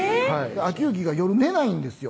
晃行が夜寝ないんですよ